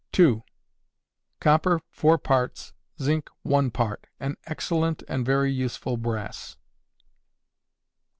Copper 4 parts, zinc 1 part. An excellent and very useful brass.